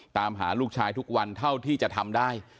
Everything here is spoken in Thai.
ตามหาลูกชายทุกวันเท่าที่จะทำได้